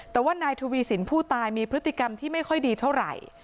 แต่ว่านายทวีสินผู้ตายมีพฤติกรรมที่ไม่ค่อยดีเท่าไหร่